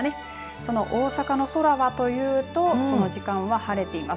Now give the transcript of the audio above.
その大阪の空はというとこの時間は晴れています。